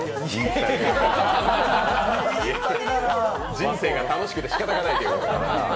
人生が楽しくてしかたがないという。